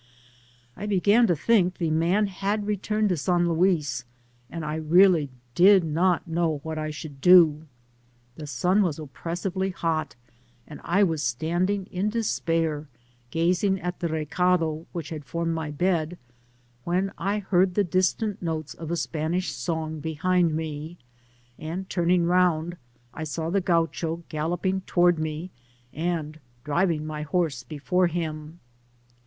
I beg^ to think that the man had returned to San Luis, and I really did not know what I should do. The sun was oppressively hot, and I was standing in despair, gazing at the recado which had formed my bed, when I heard the distant notes of a Spa^ nii^ song behind me, and turning round I saw the Oaucho galloping towards me, and driving my horse before him.